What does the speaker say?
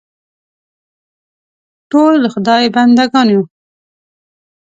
ټول د خدای بندهګان یو.